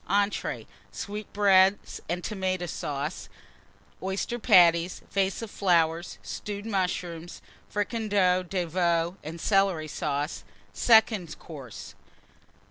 Entrées Sweetbreads and Tomata Sauce. Oyster Patties. Vase of Stewed Mushrooms. Flowers. Fricandeau de Veau and Celery Sauce. _Second Course.